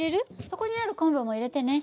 そこにある昆布も入れてね。